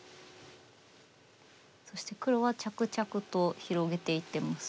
そして黒は着々と広げていってます。